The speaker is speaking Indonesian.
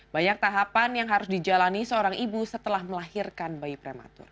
banyak tahapan yang harus dijalani seorang ibu setelah melahirkan bayi prematur